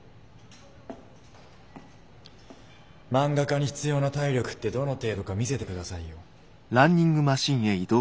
漫画家に必要な体力ってどの程度か見せてくださいよ。